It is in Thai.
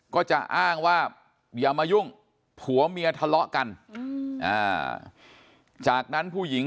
ก็จะอ้างว่าอย่ามายุ่งผัวเมียทะเลาะกันจากนั้นผู้หญิง